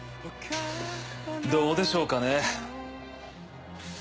どうでしょうかね。